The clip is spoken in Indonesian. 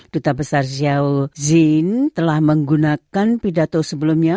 duta besar zhao xin telah menggunakan pidato sebelumnya